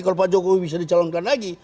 kalau pak jokowi bisa dicalonkan lagi